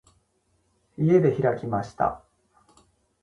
家で開きました。